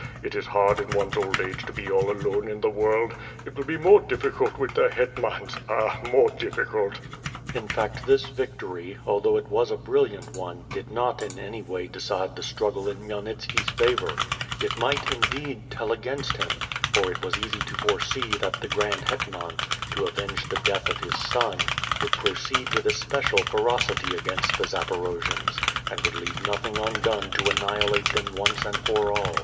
It is hard in one's old age to be all alone in the world. It will be more difficult with the hetmans, ah! more difficult!'* • In fact this victory, although it was a brilliant one, did not in any way decide the struggle in Khmyelnitski's favor; it might, indeed, tell against him; for it was easy to foresee that the Grand Iletman, to avenge the death of his son, would proceed with especial ferocity against the Zaporojians, and would leave nothing undone to annihilate them once and for all.